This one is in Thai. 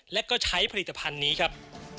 และก็ใช้ผลิตภัณฑ์นี้ครับ